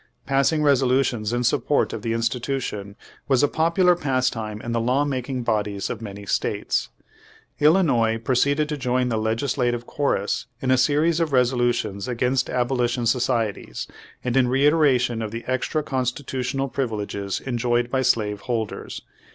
Passing resolutions in support of the institution was a popular pastime in the law making bodies of many states. Illinois proceeded to join the legislative chorus in a series of resolutions against abolition societies, and in reiteration of the extra constitutional privileges enjoyed by slave holders.